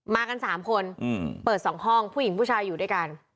กัน๓คนเปิด๒ห้องผู้หญิงผู้ชายอยู่ด้วยกัน